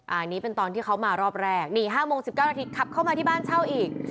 อันนี้เป็นตอนที่เขามารอบแรกนี่๕โมง๑๙นาทีขับเข้ามาที่บ้านเช่าอีก